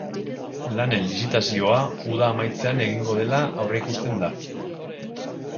Lanen lizitazioa uda amaitzean egingo dela aurreikusten da.